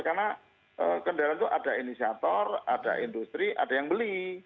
karena kendaraan itu ada inisiator ada industri ada yang beli